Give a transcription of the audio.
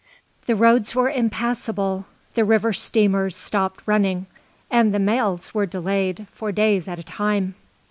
The roads were impassable, the river steamers stopped running, and the mails were delayed for days at a time.